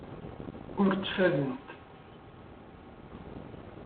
Ur ttfadent.